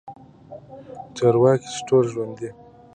چارواکي چې ټول ژوندي